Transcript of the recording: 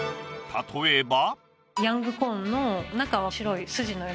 例えば。